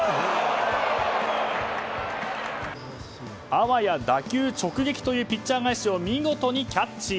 あわや打球直撃というピッチャー返しを見事にキャッチ。